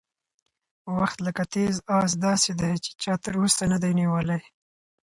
وخت لکه تېز اس داسې دی چې چا تر اوسه نه دی نیولی.